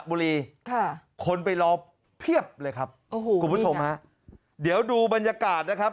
บุรีคนไปรอเพียบเลยครับกูชมครับเดี๋ยวดูบรรยากาศนะครับ